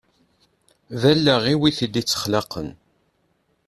D allaɣ-iw i t-id-ittexlaqen.